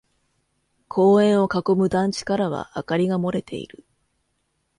公園を囲む団地からは明かりが漏れている。